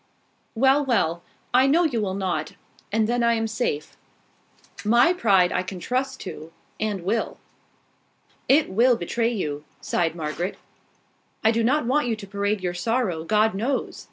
"Well, well! I know you will not: and then I am safe. My pride I can trust to, and I will." "It will betray you," sighed Margaret. "I do not want you to parade your sorrow, God knows!